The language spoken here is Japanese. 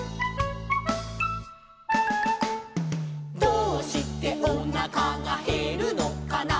「どうしておなかがへるのかな」